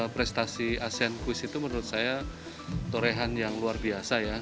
prestasi asean quiz itu menurut saya torehan yang luar biasa ya